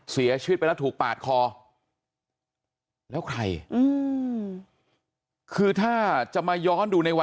เสียชีวิตไปแล้วถูกปาดคอแล้วใคร